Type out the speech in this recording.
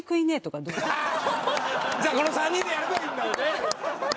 じゃあこの３人でやればいいんだよね。